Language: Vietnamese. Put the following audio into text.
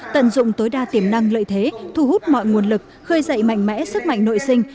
tận dụng tối đa tiềm năng lợi thế thu hút mọi nguồn lực khơi dậy mạnh mẽ sức mạnh nội sinh